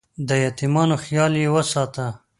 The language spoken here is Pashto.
د یتیمانو خیال یې ساته.